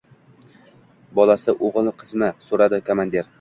— Bolasi o‘g‘ilmi-qizmi? — so‘radi komandir.